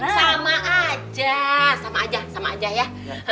sama aja sama aja sama aja ya